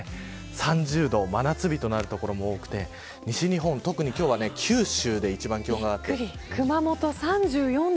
３０度、真夏日となる所も多くて西日本特に今日は九州で熊本、３４度。